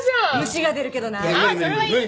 虫が出るけどな。